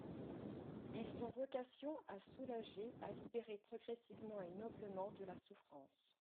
Ils ont vocation à soulager, à libérer progressivement et noblement de la souffrance.